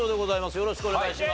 よろしくお願いします。